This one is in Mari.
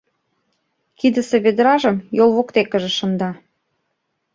Кидысе ведражым йол воктекыже шында.